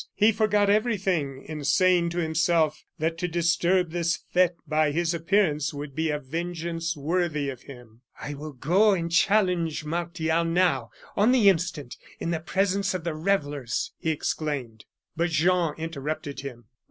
He forgot everything in saying to himself that to disturb this fete by his appearance would be a vengeance worthy of him. "I will go and challenge Martial now, on the instant, in the presence of the revellers," he exclaimed. But Jean interrupted him.